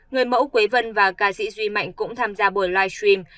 người mẫu quế vân và ca sĩ duy mạnh cũng tham gia buổi live stream